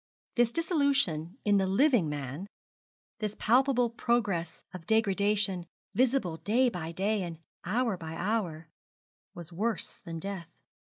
This dissolution in the living man, this palpable progress of degradation, visible day by day and hour by hour, was worse than death.